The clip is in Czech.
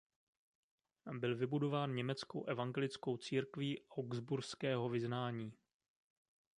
Byl vybudován německou evangelickou církví augsburského vyznání.